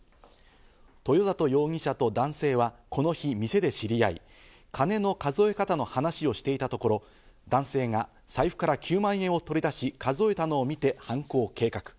豊里容疑者と男性はこの日、店で知り合い、金の数え方の話をしていたところ、男性が財布から９万円を取り出し、数えたのを見て、犯行を計画。